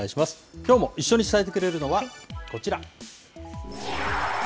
きょうも一緒に伝えてくれるのはこちら。